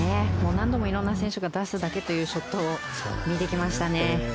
何度も色んな選手が出すだけというショットを見てきましたね。